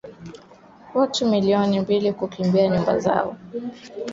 Wanamgambo ambao wameua maelfu ya watu na kuwalazimisha zaidi ya watu milioni mbili kukimbia nyumba zao